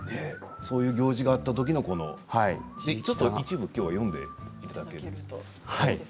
そういう行事があったときのきょうは一部読んでいただけると。